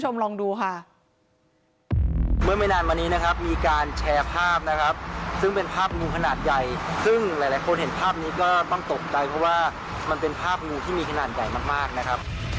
จริงเดี๋ยวคุณผู้ชมลองดูค่ะ